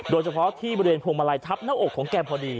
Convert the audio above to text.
โดยเฉพาะที่บริเวณพวงมาลัยทับหน้าอกของแกพอดี